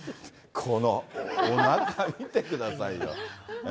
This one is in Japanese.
このおなか見てくださいよ。